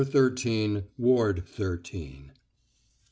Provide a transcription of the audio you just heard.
THIRTEEN, WARD THIRTEEN.